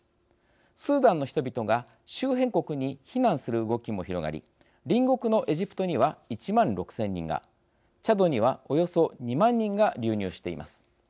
スーダンの人々が周辺国に避難する動きも広がり隣国のエジプトには１万６０００人がチャドにはおよそ２万人が流入しています。